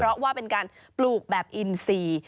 เพราะว่าเป็นการปลูกแบบอินซี